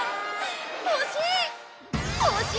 欲しい！